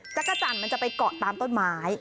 จักรจันทร์มันจะไปเกาะตามต้นไม้